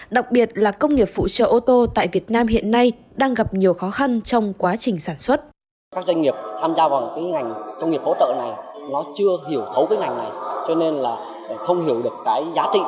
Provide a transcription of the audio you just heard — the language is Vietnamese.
đặc biệt là công nghiệp phụ trợ ô tô tại việt nam hiện nay đang gặp nhiều khó khăn trong quá trình sản xuất